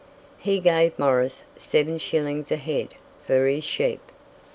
He gave Morris 7 shillings a head for his sheep.